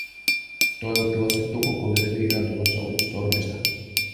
Toivottavasti Tukuk olisi vihdoin tulossa ulos tornista.